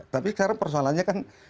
tapi sekarang persoalannya kan